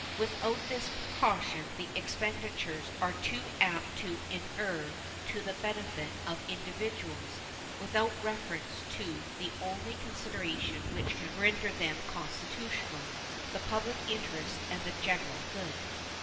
Without this precaution the expenditures are but too apt to inure to the benefit of individuals, without reference to the only consideration which can render them constitutional the public interests and the general good.